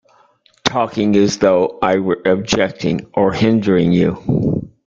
Talking as though I were objecting or hindering you!